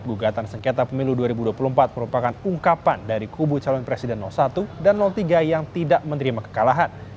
gugatan sengketa pemilu dua ribu dua puluh empat merupakan ungkapan dari kubu calon presiden satu dan tiga yang tidak menerima kekalahan